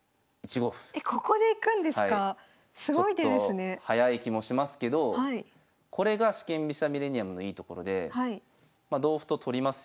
ちょっと早い気もしますけどこれが四間飛車ミレニアムのいいところでま同歩と取りますよね。